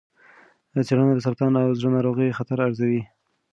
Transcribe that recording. څېړنه د سرطان او زړه ناروغۍ خطر ارزوي.